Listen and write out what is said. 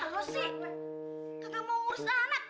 lu sih nggak mau urus anak